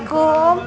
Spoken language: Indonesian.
gak ada mobil